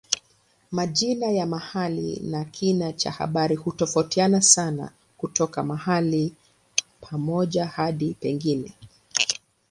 Majina ya mahali na kina cha habari hutofautiana sana kutoka mahali pamoja hadi pengine.